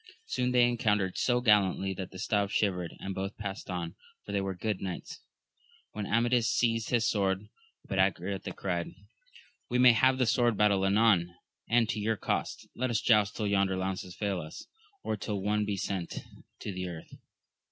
Soon they encountered so gallantly, that the staves shivered, and both passed on, for they were good knights. Then Amadis seized his sword, but Angriote cried, We may have the sword battle anon, and to your cost ; let us joust till yonder lances fail us, or tiU one be sent to the earth.